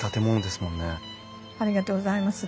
ありがとうございます。